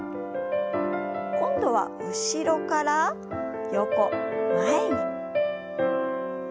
今度は後ろから横前に。